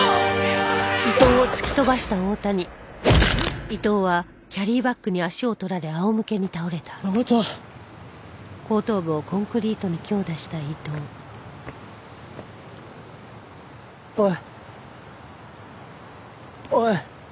おいおい。